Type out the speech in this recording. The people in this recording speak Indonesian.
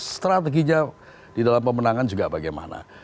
strateginya di dalam pemenangan juga bagaimana